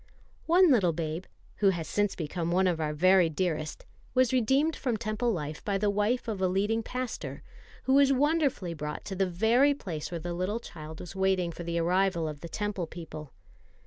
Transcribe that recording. One little babe, who has since become one of our very dearest, was redeemed from Temple life by the wife of a leading pastor, who was wonderfully brought to the very place where the little child was waiting for the arrival of the Temple people.